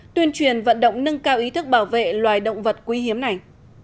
tuyên truyền vận động nâng cao ý thức bảo vệ loài động vật quý hiếm này